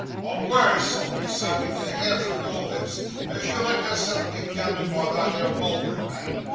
'I'm wery sorry, Sammy, to hear from your lips, as you let yourself be gammoned by that 'ere mulberry man.